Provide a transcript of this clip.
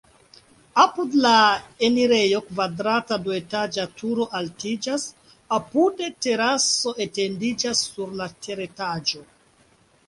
Apud la enirejo kvadrata duetaĝa turo altiĝas, apude teraso etendiĝas sur la teretaĝo.